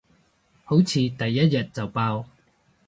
好似第一日就爆